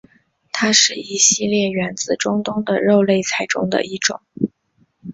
它是一系列源自中东的肉类菜中的一种。